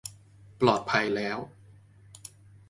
ปลอดภัยแล้ว